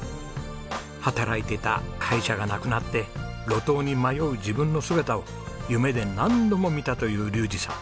働いていた会社がなくなって路頭に迷う自分の姿を夢で何度も見たという竜士さん。